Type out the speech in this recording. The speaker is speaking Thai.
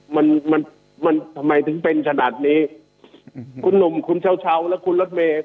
มันมันมันทำไมถึงเป็นขนาดนี้อืมคุณหนุ่มคุณเช้าเช้าและคุณรถเมย์